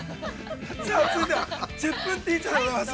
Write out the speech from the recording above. ◆さあ、続いては「１０分ティーチャー」でございます。